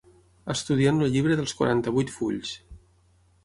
Estudiar en el llibre dels quaranta-vuit fulls.